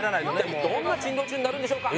一体どんな珍道中になるんでしょうか？